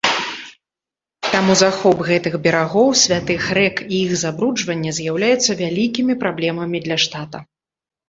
Таму захоп гэтых берагоў святых рэк і іх забруджванне з'яўляюцца вялікімі праблемамі для штата.